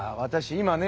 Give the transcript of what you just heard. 今ね